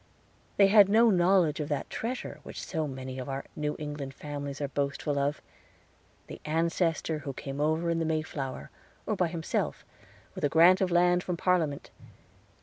They had no knowledge of that treasure which so many of our New England families are boastful of the Ancestor who came over in the Mayflower, or by himself, with a grant of land from Parliament.